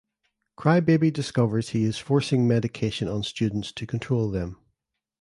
Cry Baby discovers he is forcing medication on students to control them.